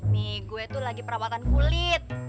nih gue tuh lagi perawatan kulit